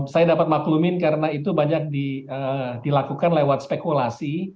saya dapat maklumin karena itu banyak dilakukan lewat spekulasi